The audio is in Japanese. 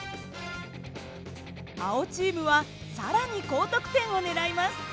青チームは更に高得点を狙います。